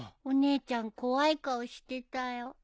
お姉ちゃん怖い顔してたよ。